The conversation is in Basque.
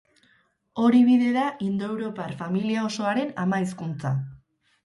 Hori bide da indoeuropar familia osoaren ama hizkuntza.